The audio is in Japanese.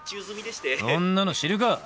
そんなの知るか！